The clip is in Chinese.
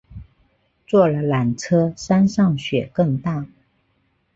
坐了缆车山上雪更大